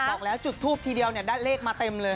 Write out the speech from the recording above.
บอกแล้วจุดทูปทีเดียวเนี่ยได้เลขมาเต็มเลย